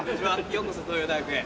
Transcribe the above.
ようこそ東洋大学へ。